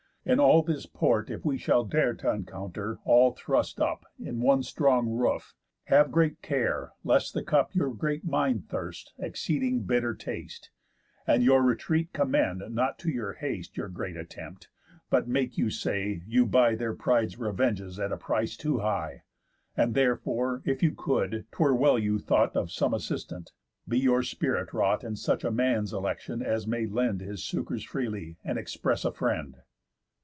And all this port If we shall dare t' encounter, all thrust up In one strong roof, have great care lest the cup, Your great mind thirsts, exceeding bitter taste, And your retreat commend not to your haste Your great attempt, but make you say, you buy Their pride's revenges at a price too high. And therefore, if you could; 'twere well you thought Of some assistant. Be your spirit wrought In such a man's election, as may lend His succours freely, and express a friend."